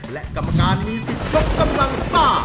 และกรรมการมีสิทธิ์ยกกำลังซ่า